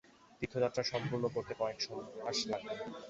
তীর্থযাত্রা সম্পূর্ণ করতে কয়েক মাস লাগবে।